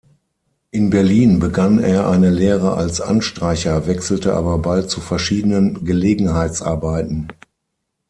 In Berlin begann er eine Lehre als Anstreicher, wechselte aber bald zu verschiedenen Gelegenheitsarbeiten.